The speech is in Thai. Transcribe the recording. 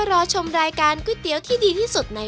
รอชมรายการก๋วยเตี๋ยวที่ดีที่สุดใน